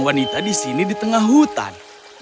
wanita di sini di tengah hutan